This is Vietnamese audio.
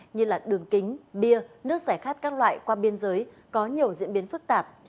như đường kính bia nước giải khát các loại qua biên giới có nhiều diễn biến phức tạp